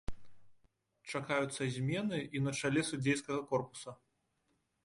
Чакаюцца змены і на чале судзейскага корпуса.